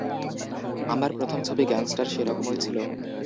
আমার প্রথম ছবি গ্যাংস্টার সে রকমই ছিল।